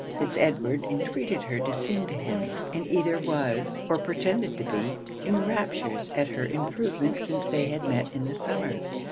Fitz Edward entreated her to sing to him; and either was, or pretended to be, in raptures at her improvement since they had met in the summer.